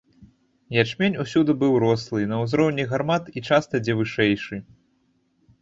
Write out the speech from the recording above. Ячмень усюды быў рослы, на ўзроўні гармат і часта дзе вышэйшы.